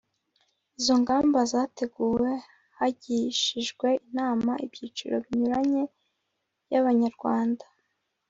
izo ngamba zateguwe hagishijwe inama ibyiciro binyuranye by'abanyarwanda